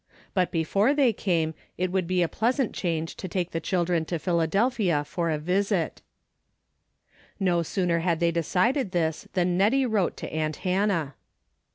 But before they came, it would be a 345 346 A DAILY RATEA'> pleasant change to take the children to Phila delphia for a visit. 'No sooner had they decided this than I^ettie wrote to aunt Hannah.